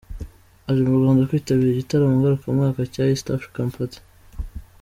Aje mu Rwanda kwitabira igitaramo ngarukamwaka cya East African Party.